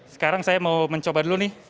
sekarang saya mau mencoba dulu nih